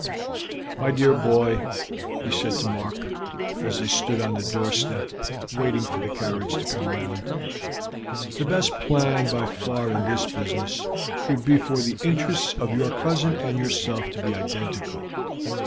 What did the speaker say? "My dear boy," he said to Mark, as they stood on the doorstep waiting for the carriage to come round, "the best plan by far in this business would be for the interests of your cousin and yourself to be identical.